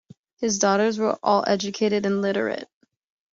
His daughters were all educated and literate.